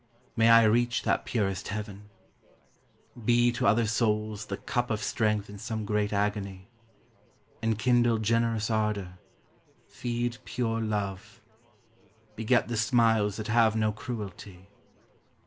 May I reach That purest heaven, — be to other souls The cup of strength in some great agony. Enkindle generous ardor, feed pure love. Beget the smiles that have no cruelty.